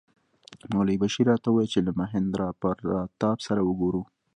مولوي بشیر راته وویل چې له مهیندراپراتاپ سره وګوره.